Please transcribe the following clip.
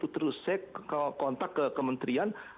terus saya kontak ke kementerian